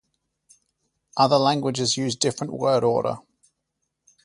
Other languages use different word order.